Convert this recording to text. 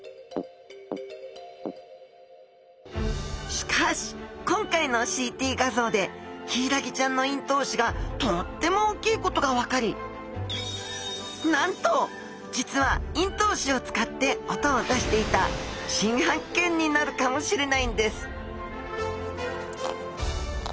しかし今回のＣＴ画像でヒイラギちゃんの咽頭歯がとっても大きいことが分かりなんと実は咽頭歯を使って音を出していた新発見になるかもしれないんです！